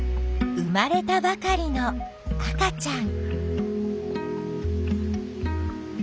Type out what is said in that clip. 生まれたばかりの赤ちゃん。